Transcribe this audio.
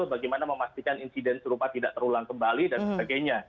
bagaimana memastikan insiden serupa tidak terulang kembali dan sebagainya